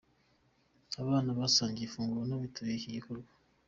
Abana basangiye ifunguro n'abitabiriye iki gikorwa.